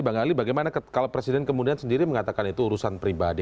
bang ali bagaimana kalau presiden kemudian sendiri mengatakan itu urusan pribadi